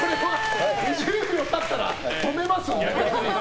２０秒経ったら止めます。